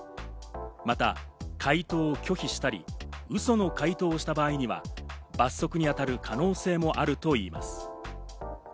また、回答を拒否したり嘘の回答をした場合には罰則に当たる可能性もあるといいます。